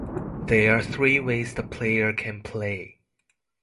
There are three ways the player can play.